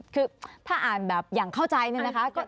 คือถ้าอ่านแบบอย่างเข้าใจเนี่ยนะคะ